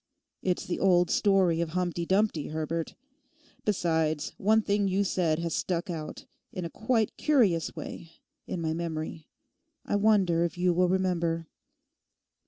It's the old story of Humpty Dumpty, Herbert. Besides, one thing you said has stuck out in a quite curious way in my memory. I wonder if you will remember?